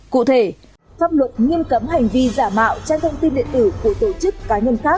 cụ thể pháp luật nghiêm cấm hành vi giả mạo trên thông tin điện tử của tổ chức